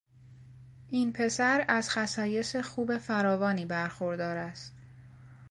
این پسر از خصایص خوب فراوانی برخوردار است.